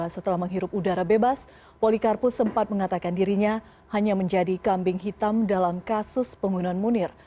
setelah menghirup udara bebas polikarpus sempat mengatakan dirinya hanya menjadi kambing hitam dalam kasus penggunaan munir